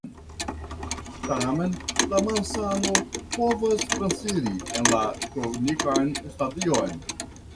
Tamen la malsano povas transiri en la kronikan stadion.